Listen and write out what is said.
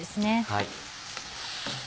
はい。